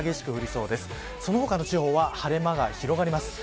その他の地方は晴れ間が広がります。